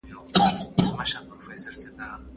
زه به اوږده موده د يادښتونه يادونه کړې وم؟!